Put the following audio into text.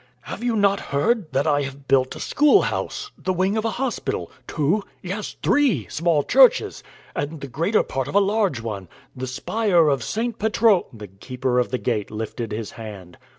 Have you not heard that I have built a school house; the wing of a hospital; two yes, three small churches, and the greater part of a large one, the spire of St. Petro " The Keeper of the Gate lifted his hand.